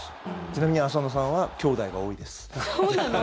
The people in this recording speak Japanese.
ちなみに浅野さんはきょうだいが多いです。